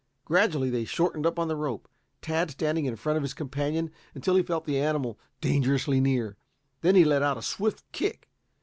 Gradually they shortened up on the rope, Tad standing in front of his companion until he felt the animal dangerously near. Then he let out a swift kick.